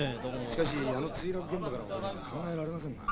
しかしあの墜落現場から戻るのは考えられませんな。